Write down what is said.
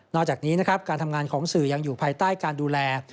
จากนี้นะครับการทำงานของสื่อยังอยู่ภายใต้การดูแล